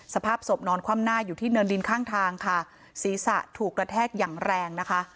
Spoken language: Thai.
สภาพศพนอนคว่ำหน้าอยู่ที่เนินดินข้างทางค่ะศีรษะถูกกระแทกอย่างแรงนะคะ